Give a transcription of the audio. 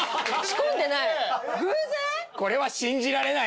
偶然？